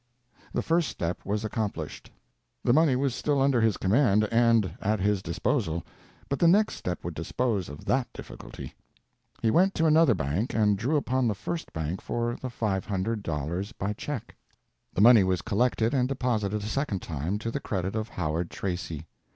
The first step was accomplished. The money was still under his command and at his disposal, but the next step would dispose of that difficulty. He went to another bank and drew upon the first bank for the $500 by check. The money was collected and deposited a second time to the credit of Howard Tracy.